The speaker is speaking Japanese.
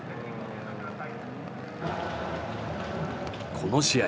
この試合